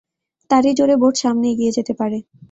তারই জোরে বোট সামনে এগিয়ে যেতে পারে।